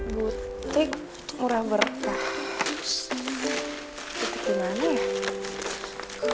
butik murah berkah